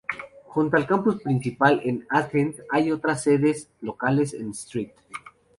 Junto al campus principal en Athens hay otras sedes locales en St.